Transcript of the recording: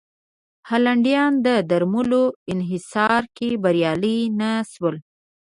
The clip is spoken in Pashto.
هالنډیان د درملو انحصار کې بریالي نه شول.